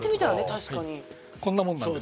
確かにこんなもんなんですよ